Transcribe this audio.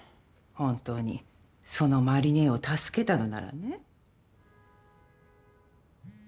本当にその麻里姉を助けたのならね。